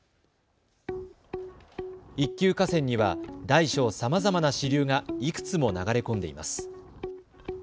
一級河川には大小さまざまな支流がいくつも流れ込んでいます。